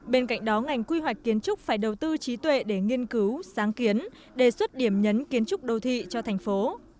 bên cạnh đó ngành quy hoạch kiến trúc phải đầu tư trí tuệ để nghiên cứu sáng kiến đề xuất điểm nhấn kiến trúc đô thị cho thành phố